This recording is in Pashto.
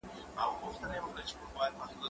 زه به سبا موبایل کار کړم؟